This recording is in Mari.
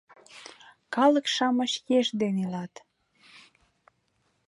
Калык-шамыч еш ден илат